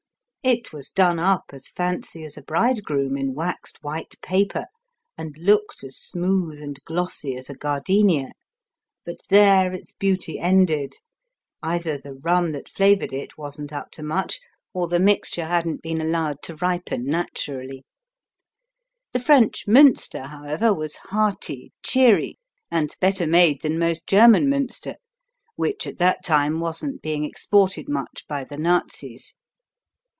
It was done up as fancy as a bridegroom in waxed white paper and looked as smooth and glossy as a gardenia. But there its beauty ended. Either the rum that flavored it wasn't up to much or the mixture hadn't been allowed to ripen naturally. The French Münster, however, was hearty, cheery, and better made than most German Münster, which at that time wasn't being exported much by the Nazis.